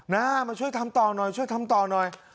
มาช่วยทำต่อหน่อยช่วยทำต่อหน่อย